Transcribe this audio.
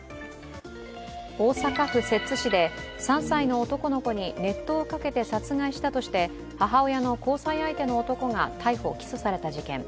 大阪府摂津市で３歳の男の子に熱湯をかけて殺害したとして母親の交際の相手の男が逮捕・起訴された事件。